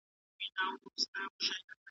هغه وويل چي ظلم بد کار دی.